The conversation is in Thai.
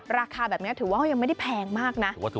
ราคาแบบนี้ถือว่าเขายังไม่ได้แพงมากนะ